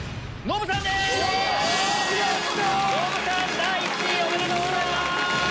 第１位おめでとうございます！